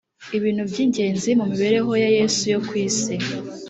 ibintu by ingenzi mu mibereho ya yesu yo ku isi